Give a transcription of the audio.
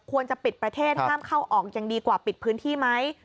ปิดประเทศห้ามเข้าออกยังดีกว่าปิดพื้นที่ไหม